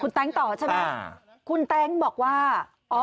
แต๊งต่อใช่ไหมคุณแต๊งบอกว่าอ๋อ